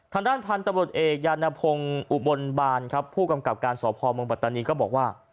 ทางด้านพันธุ์ตะบดเอกยานพงอุบลบาร์ผู้กำกับการสอบพรมเมืองบัตนีก็บอกว่า